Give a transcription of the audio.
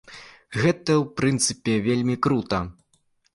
Гэта, у прынцыпе, вельмі крута.